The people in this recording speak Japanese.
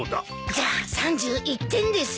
じゃあ３１点ですよ。